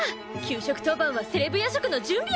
給食当番はセレブ夜食の準備を！